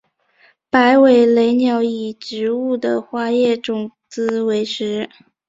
白尾雷鸟以植物的花叶种子为食。